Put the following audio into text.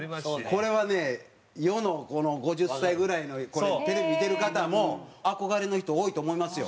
これはね世のこの５０歳ぐらいのテレビ見てる方も憧れの人多いと思いますよ。